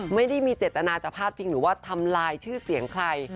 ไม่ได้มีเจตนาจะพาดพิงหรือว่าทำลายชื่อเสียงใคร